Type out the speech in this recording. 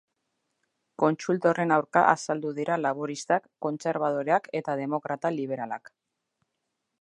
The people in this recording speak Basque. Kontsulta horren aurka azaldu dira laboristak, kontserbadoreak eta demokrata liberalak.